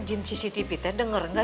jim cctv teh denger gak